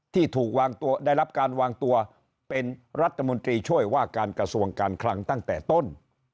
ที่ถูกวางตัวได้รับการวางตัวเป็นรัฐมนตรีช่วยว่าการกระทรวงการคลังตั้งแต่ต้น